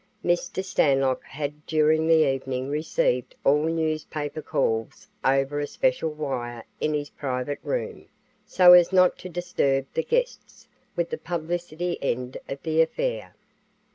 Mr. Stanlock had during the evening received all newspaper calls over a special wire in his private room, so as not to disturb the guests with the publicity end of the affair.